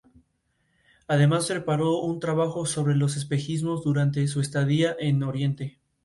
Estoy emocionada de enfocar toda mi energía en mi música ahora".